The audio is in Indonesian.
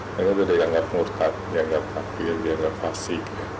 karena dia dianggap murtad dianggap hafi dianggap fasi